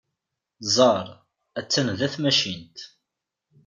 Ẓer! Attan da tmacint!